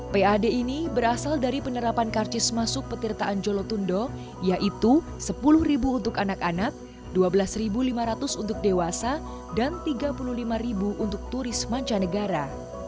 pad ini berasal dari penerapan karcis masuk petirtaan jolotundo yaitu rp sepuluh untuk anak anak rp dua belas lima ratus untuk dewasa dan rp tiga puluh lima untuk turis mancanegara